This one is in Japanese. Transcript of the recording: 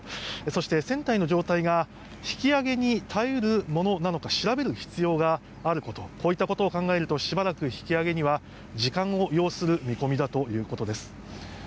そして船体の状態が引き揚げに耐え得るものなのかどうか調べる必要があることこういったことを考えるとしばらく引き揚げには時間を要する見込みだということです。